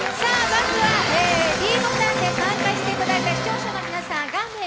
ｄボタンで参加していただいた視聴者の皆さん、画面